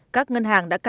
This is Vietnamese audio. các ngân hàng đã cam kết